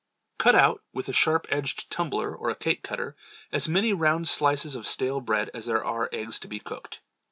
Cut out with a sharp edged tumbler or a cake cutter as many round slices of stale bread as there are eggs to be cooked.